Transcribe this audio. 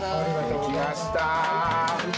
できました。